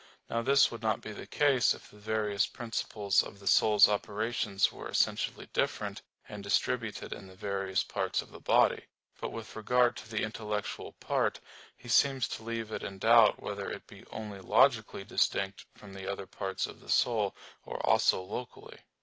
Now this would not be the case if the various principles of the soul's operations were essentially different, and distributed in the various parts of the body. But with regard to the intellectual part, he seems to leave it in doubt whether it be "only logically" distinct from the other parts of the soul, "or also locally."